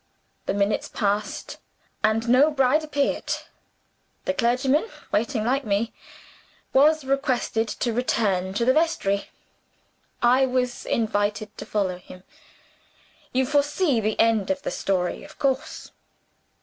The minutes passed and no bride appeared. The clergyman, waiting like me, was requested to return to the vestry. I was invited to follow him. You foresee the end of the story, of course?